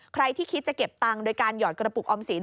ใครที่คิดจะเก็บตังค์โดยการหยอดกระปุกออมสิน